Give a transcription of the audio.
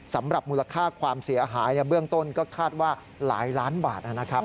สำหรับมูลค่าความเสียหายเบื้องต้นก็คาดว่าหลายล้านบาทนะครับ